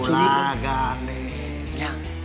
oh lah gandengnya